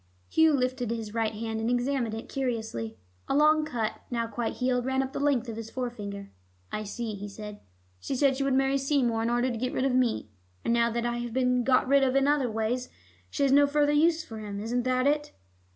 Hugh lifted his right hand, and examined it cursorily. A long cut, now quite healed, ran up the length of his forefinger. "I see," he said. "She said she would marry Seymour in order to get rid of me, and now that I have been got rid of in other ways, she has no further use for him. Isn't that it?"